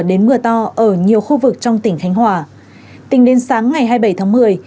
đến mưa to ở nhiều khu vực trong tỉnh khánh hòa tính đến sáng ngày hai mươi bảy tháng một mươi